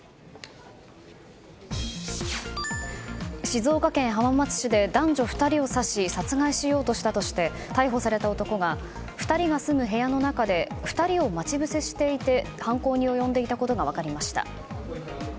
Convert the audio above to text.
静岡県浜松市で男女２人を刺し殺害しようとしたとして逮捕された男が２人が住む部屋の中で２人を待ち伏せしていて犯行に及んでいたことが分かりました。